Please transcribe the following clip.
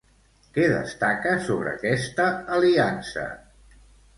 Què destaca sobre aquesta aliança?